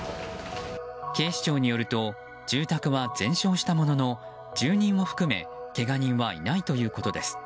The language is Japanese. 警視庁によると住宅は全焼したものの住人も含めけが人はいないということです。